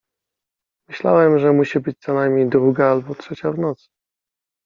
Myślałem, że musi być co najmniej druga albo trzecia w nocy.